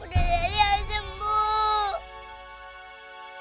bunda dari harus sembuh